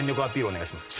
お願いします。